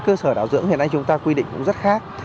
cơ sở đạo dưỡng hiện nay chúng ta quy định cũng rất khác